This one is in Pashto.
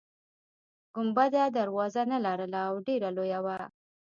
ګنبده دروازه نلرله او ډیره لویه وه.